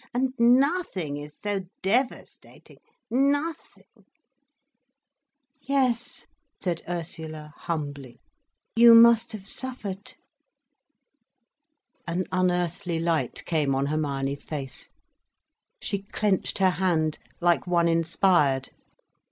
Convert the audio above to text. And nothing is so devastating, nothing—" "Yes," said Ursula humbly, "you must have suffered." An unearthly light came on Hermione's face. She clenched her hand like one inspired.